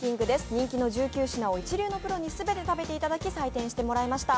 人気の１９品を一流のプロに全て食べていただき祭典してもらいました。